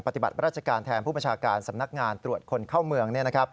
ปฏิบัติราชการแทนผู้ประชาการสำนักงานตรวจคนเข้าเมือง